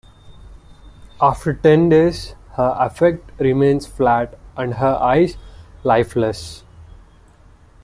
After ten days, her affect remains flat, and her eyes lifeless.